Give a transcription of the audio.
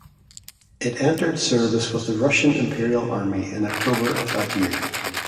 It entered service with the Russian Imperial Army in October of that year.